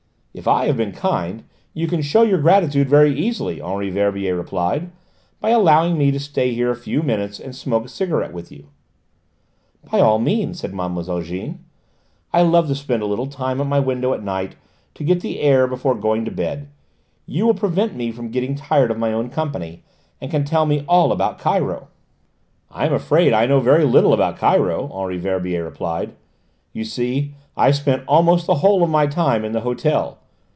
"If I have been kind, you can show your gratitude very easily," Henri Verbier replied: "by allowing me to stay here a few minutes and smoke a cigarette with you." "By all means," said Mlle. Jeanne. "I love to spend a little time at my window at night, to get the air before going to bed. You will prevent me from getting tired of my own company, and can tell me all about Cairo." "I'm afraid I know very little about Cairo," Henri Verbier replied; "you see I spent almost the whole of my time in the hotel.